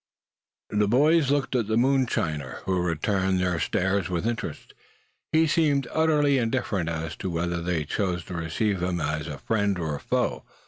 THE boys looked at the moonshiner, who returned their stares with interest. He seemed utterly indifferent as to whether they chose to receive him either as a friend or a foe.